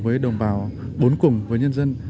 với đồng bào bốn cùng với nhân dân